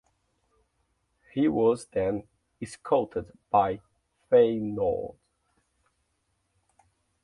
He was then scouted by Feyenoord.